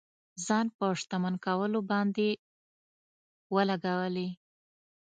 ځان په شتمن کولو باندې ولګولې.